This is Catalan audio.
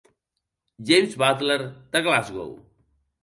James Butler, de Glasgow.